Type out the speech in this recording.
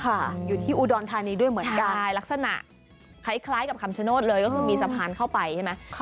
อยู่ที่อุดรธานีด้วยเหมือนกันใช่ลักษณะคล้ายกับคำชโนธเลยก็คือมีสะพานเข้าไปใช่ไหม